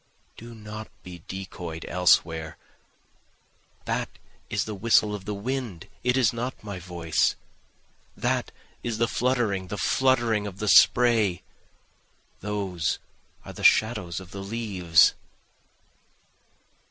Do not be decoy'd elsewhere, That is the whistle of the wind, it is not my voice, That is the fluttering, the fluttering of the spray, Those are the shadows of leaves.